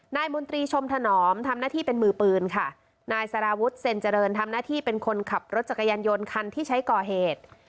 มนตรีชมถนอมทำหน้าที่เป็นมือปืนค่ะนายสารวุฒิเซ็นเจริญทำหน้าที่เป็นคนขับรถจักรยานยนต์คันที่ใช้ก่อเหตุ